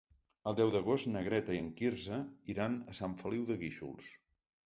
El deu d'agost na Greta i en Quirze iran a Sant Feliu de Guíxols.